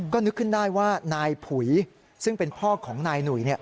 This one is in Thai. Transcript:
ก็นึกขึ้นได้ว่านายผุยซึ่งเป็นพ่อของนายหนุ่ย